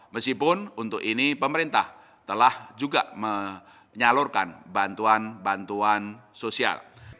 meskipun untuk ini pemerintah telah juga menyalurkan bantuan bantuan sosial